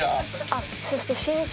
「あっそして新書。